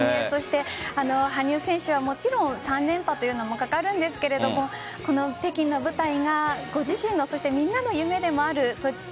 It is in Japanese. そして羽生選手はもちろん３連覇というのもかかるんですが北京の舞台が、ご自身のそしてみんなの夢でもある。